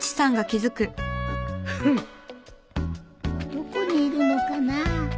どこにいるのかなあ。